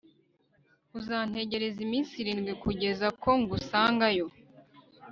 uzantegereza iminsi irindwi kugeza ko ngusangayo